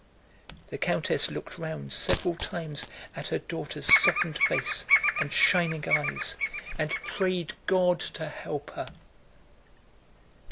The countess looked round several times at her daughter's softened face and shining eyes and prayed God to help her.